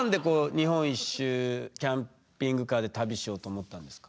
日本一周キャンピングカーで旅しようと思ったんですか？